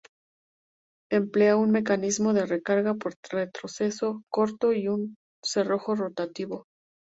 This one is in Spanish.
Emplea un mecanismo de recarga por retroceso corto y un cerrojo rotativo.